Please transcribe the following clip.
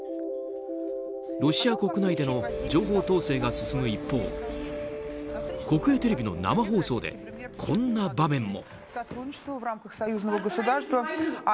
ロシア国内での情報統制が進む一方国営テレビの生放送でこんな場面も。